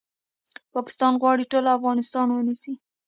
پاکستان غواړي ټول افغانستان ونیسي